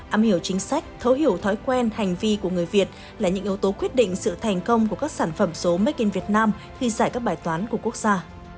âm hiểu chính sách thấu hiểu thói quen hành vi của người việt là những yếu tố quyết định sự thành công của các sản phẩm số make in việt nam khi giải các bài toán của quốc gia